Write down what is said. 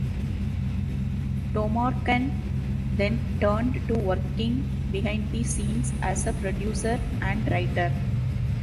Tomarken then turned to working behind the scenes as a producer and writer.